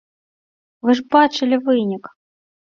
Вы ж бачылі вынік!